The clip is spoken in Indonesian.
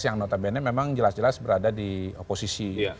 yang notabene memang jelas jelas berada di oposisi